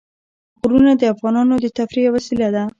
غرونه د افغانانو د تفریح یوه وسیله ده.